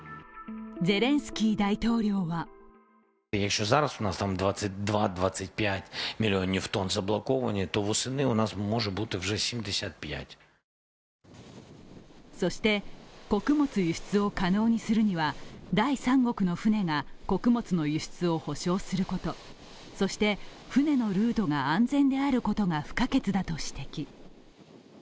ゼレンスキー大統領はそして穀物輸出を可能にするには第三国の船が穀物の輸出を保証することそして船のルートが安全であることが不可欠であると指摘。